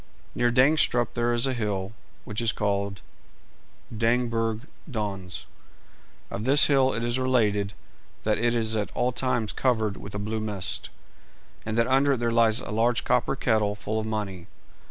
Near Dangstrup there is a hill which is called Dangbjerg Dons. Of this hill it is related that it is at all times covered with a blue mist, and that under it there lies a large copper kettle full of money.